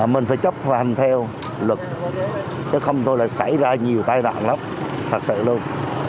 mình phải chấp hành theo luật chứ không thôi là xảy ra nhiều tai đoạn lắm thật sự luôn